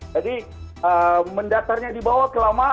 jadi mendatarnya dibawa ke lama